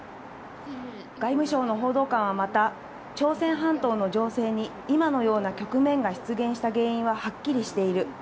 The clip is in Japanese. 外務省の報道官はまた、朝鮮半島の情勢に今のような局面が出現した原因ははっきりしている。